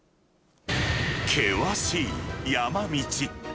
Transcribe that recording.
険しい山道。